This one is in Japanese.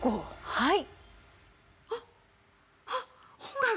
はい。